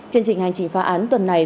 chương trình hành trình phá án tuần này